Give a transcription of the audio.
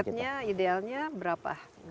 targetnya idealnya berapa untuk membuat